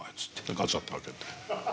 ガチャッと開けて。